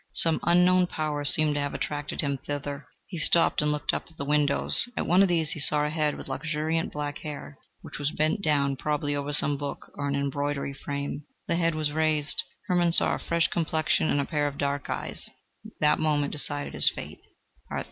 Some unknown power seemed to have attracted him thither. He stopped and looked up at the windows. At one of these he saw a head with luxuriant black hair, which was bent down probably over some book or an embroidery frame. The head was raised. Hermann saw a fresh complexion and a pair of dark eyes. That moment decided his fate.